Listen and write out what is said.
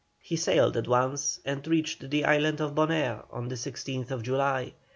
He sailed at once and reached the island of Bonaire on the 16th July.